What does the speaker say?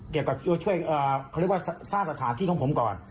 ช่วยเขาเรียกว่าสร้างสถานที่ของผมก่อน